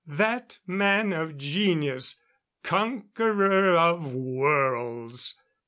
That man of genius ... conqueror of worlds ...